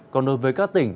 còn đối với các tỉnh